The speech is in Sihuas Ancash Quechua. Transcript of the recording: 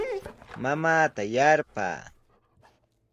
Mamaata yarpaa.